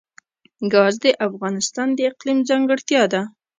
ګاز د افغانستان د اقلیم ځانګړتیا ده.